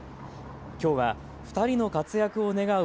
きょうは２人の活躍を願う